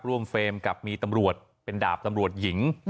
เฟรมกับมีตำรวจเป็นดาบตำรวจหญิง